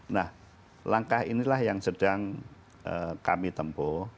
nah langkah inilah yang sedang kami tempuh